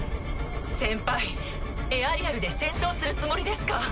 先輩エアリアルで戦闘するつもりですか？